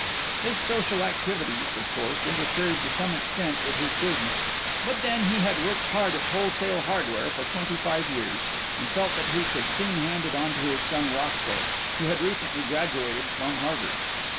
His social activities, of course, interfered to some extent with his business, but then he had worked hard at wholesale hardware for twenty five years and felt that he could soon hand it on to his son, Roscoe, who had recently graduated from Harvard.